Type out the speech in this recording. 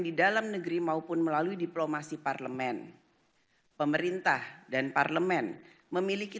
di dalam negeri maupun melalui diplomasi parlemen pemerintah dan parlemen memiliki